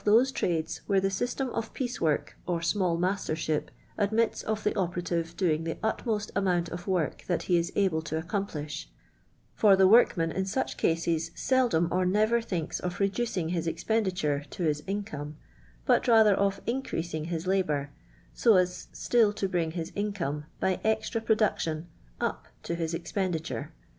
e trades where the system ot piece work or small mastership admits of the operative doing the utmost amount of work that he is ahlc to ncromplii^h : for the workman in such cases seldom or never thinks of reducing his expenditure to his income, but rather of increasing his labour, so as still to bring his income, by extra }>ro(luc tion, np to his expenditure.